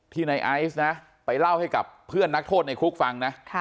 ในไอซ์นะไปเล่าให้กับเพื่อนนักโทษในคุกฟังนะ